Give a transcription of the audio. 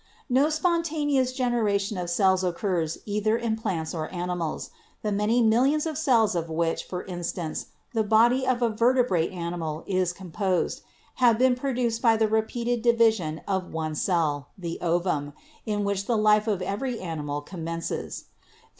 No spontaneous generation of cells occurs either in plants or animals. The many millions of cells of which, for instance, the body of a vertebrate animal is com posed, have been produced by the repeated division of one cell, the ovum, in which the life of every animal com mences.